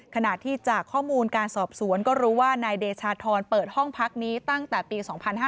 ขณะที่จากข้อมูลการสอบสวนก็รู้ว่านายเดชาธรเปิดห้องพักนี้ตั้งแต่ปี๒๕๕๙